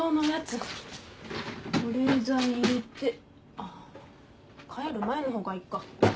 ああ帰る前の方がいっか。